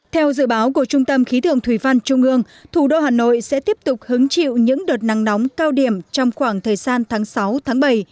theo dự báo của trung tâm khí tượng thủy văn trung ương thủ đô hà nội sẽ tiếp tục hứng chịu những đợt nắng nóng cao điểm trong khoảng thời gian tháng sáu bảy